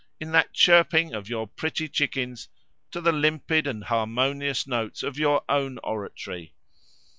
in that chirping of your pretty chickens—to the limpid+ and harmonious notes of your own oratory.